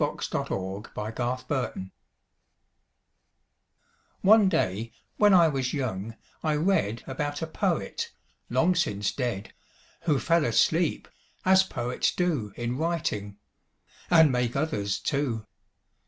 XXIX THE POET WHO SLEEPS One day, when I was young, I read About a poet, long since dead, Who fell asleep, as poets do In writing and make others too.